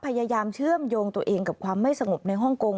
พยายามเชื่อมโยงตัวเองกับความไม่สงบในฮ่องกง